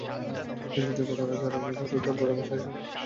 কিন্তু ত্রিপুরা রাজারা তাঁদের দরবারের ভাষা হিসেবে বাংলা ভাষা ব্যবহার করেছেন।